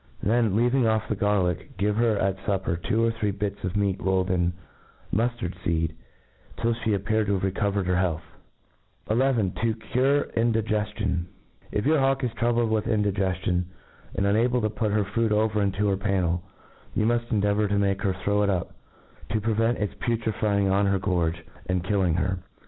Then, leaving off the garlick, give her at fupper two or three bits of meat rolled in muftard feed, till flic appear to have recovered £cr health. Ix.To i^d A T R E A t i & t: d ^ Hi To cure Indigeftim. , If your hawk is troubled with indigcftiori,* and unable to put her food over into her parnid^i you muft endeavour to make lier throw it up^ to prevent its putrifying on her gorge, and kill ing her.